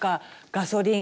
ガソリン